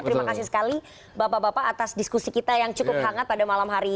terima kasih sekali bapak bapak atas diskusi kita yang cukup hangat pada malam hari ini